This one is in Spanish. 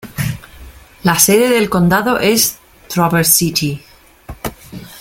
La sede del condado es Traverse City.